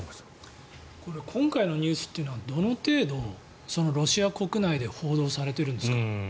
今回のニュースというのはどの程度、ロシア国内で報道されているんですか。